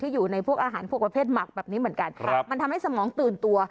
อยู่ในพวกอาหารพวกประเภทหมักแบบนี้เหมือนกันครับมันทำให้สมองตื่นตัว